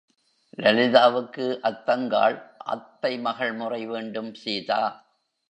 லலிதாவுக்கு அத்தங்காள் அத்தை மகள் முறை வேண்டும் சீதா.